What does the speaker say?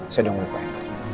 saya udah ngelupain